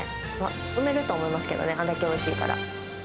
生めると思いますけどね、あれだけおいしいから。